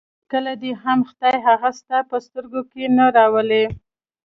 کله دې هم خدای هغه ستا په سترګو کې نه راولي.